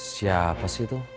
siapa sih itu